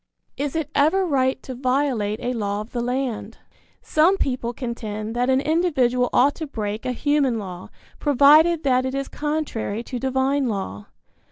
Is it ever right to violate a law of the land? Some people contend that an individual ought to break a human law, provided that it is contrary to divine law.